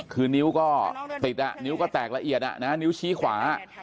คือนิ้วก็ติดนิ้วก็แตกละเอียดนิ้วชี้ขวา